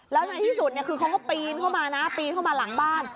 แล้วในที่สุดคือเขาก็ปีนเข้ามานะปีนเข้ามาหลังบ้าน